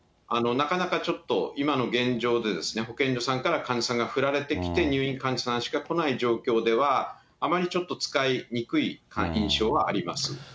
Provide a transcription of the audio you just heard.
なかなかちょっと、今の現状で保健所さんから患者さんが振られてきて入院患者さんしか来ない状況では、あまりちょっと使いにくい印象はあります。